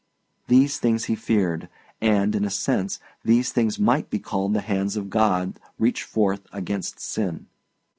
These things he feared; and, in a sense, these things might be called the hands of God reached forth against sin.